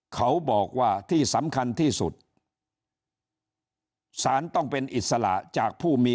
เขาบอกว่าที่สำคัญที่สุดสารต้องเป็นอิสระจากผู้มี